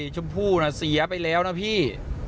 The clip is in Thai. ชมพู่น่ะเสียไปแล้วนะพี่